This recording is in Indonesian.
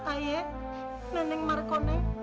ayah nenek marko